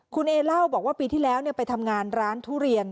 คุณเอเล่าบอกว่าปีที่แล้วไปทำงานร้านทุเรียน